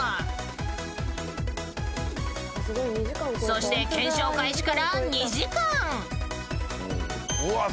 ［そして検証開始から２時間］